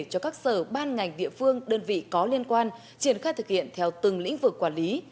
cho các sở ban ngành địa phương đơn vị có liên quan triển khai thực hiện theo từng lĩnh vực quản lý